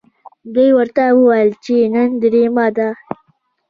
دوی ورته وویل چې نن درېیمه ده.